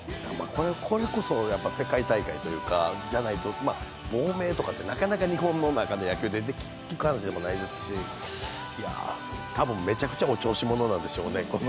これこそ世界大会というか、じゃないと亡命とかってなかなか日本の野球の中で聞く話じゃないですし多分めちゃくちゃお調子者なんでしょうね。